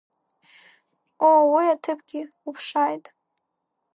Оо, уи аҭыԥгьы уԥшааит!